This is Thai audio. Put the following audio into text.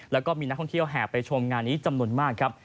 แล้วก็มีนักท่องเที่ยวแห่ไปชมงานนี้จำนวนมากครับ